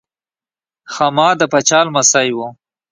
خاما د پاچا لمسی و.